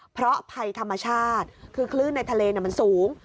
เพราะภัยธรรมชาติคือคลื่นในทะเลมันสูง